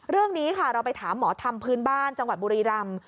เรื่องนี้ค่ะเราไปถามหมอธรรมพื้นบ้านจังหวัดบุรีรำ